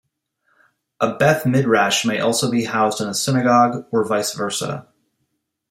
A beth midrash may also be housed in a synagogue, or vice versa.